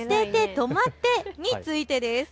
とまって！についてです。